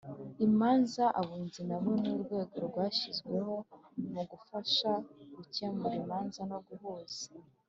imanza Abunzi nabo ni urwego rwashyizweho mu gufasha gukemura imanza no guhuza